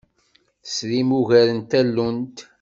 Tesrim ugar n tallunt?